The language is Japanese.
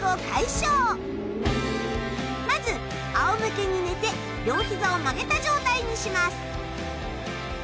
まずあおむけに寝て両膝を曲げた状態にします。